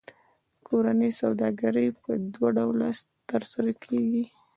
کورنۍ سوداګري په دوه ډوله ترسره کېږي